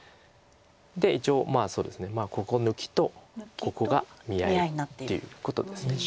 で一応ここ抜きとここが見合いっていうことです。